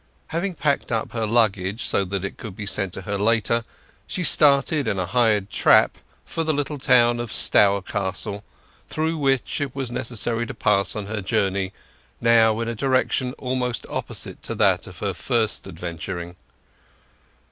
Having packed up her luggage so that it could be sent to her later, she started in a hired trap for the little town of Stourcastle, through which it was necessary to pass on her journey, now in a direction almost opposite to that of her first adventuring.